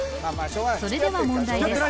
それでは問題です